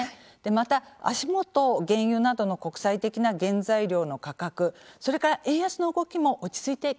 また足元原油などの国際的な原材料の価格それから円安の動きも落ち着いてきていますよね。